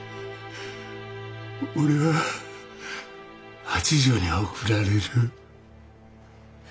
俺は八丈に送られる。